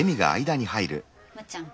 むっちゃん。